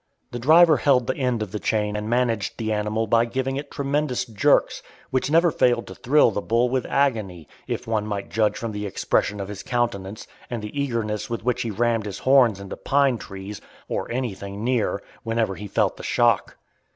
The driver held the end of the chain and managed the animal by giving it tremendous jerks, which never failed to thrill the bull with agony, if one might judge from the expression of his countenance and the eagerness with which he rammed his horns into pine trees, or anything near, whenever he felt the shock.